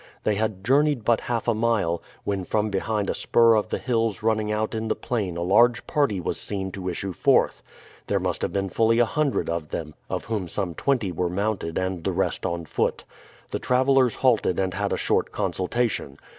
They had journeyed but half a mile, when from behind a spur of the hills running out in the plain a large party was seen to issue forth. There must have been fully a hundred of them, of whom some twenty were mounted and the rest on foot. The travelers halted and had a short consultation.